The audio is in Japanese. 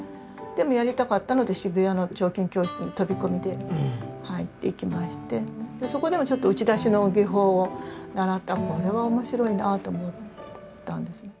でもやりたかったので渋谷の彫金教室に飛び込みで入っていきましてそこでもちょっと打ち出しの技法を習ってこれは面白いなと思ったんですね。